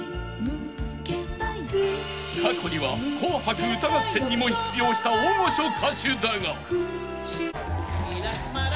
［過去には『紅白歌合戦』にも出場した大御所歌手だが］